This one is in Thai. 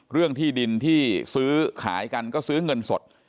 เรื่องที่ดินที่ซื้อขายกันก็ซื้อเงินสด